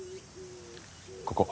ここ。